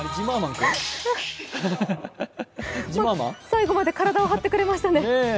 最後まで体をはってくれましたね。